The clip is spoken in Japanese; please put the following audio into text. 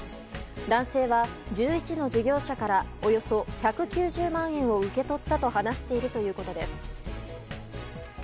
男性は、１１の事業者からおよそ１９０万円を受け取ったと話しているということです。